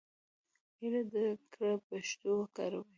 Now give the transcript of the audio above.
هیله ده کره پښتو وکاروئ.